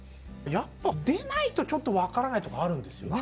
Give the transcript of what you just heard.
やっぱ出ないとちょっと分からないところがあるんですよね。